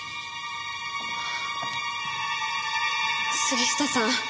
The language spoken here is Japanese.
杉下さん